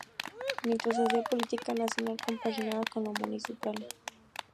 Mientras hacia política nacional, compaginaba con la municipal.